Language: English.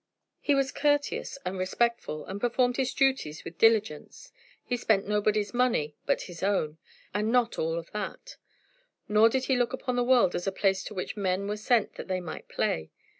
He was courteous and respectful, and performed his duties with diligence. He spent nobody's money but his own, and not all of that; nor did he look upon the world as a place to which men were sent that they might play.